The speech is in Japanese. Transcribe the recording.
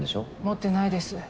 持ってないです。